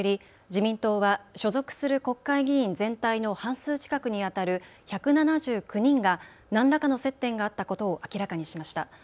自民党は所属する国会議員全体の半数近くにあたる１７９人が何らかの接点があったことを明らかにしました。